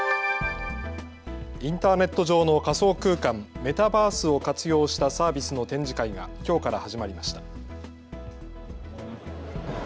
インターネット上の仮想空間、メタバースを活用したサービスの展示会がきょうから始まりました。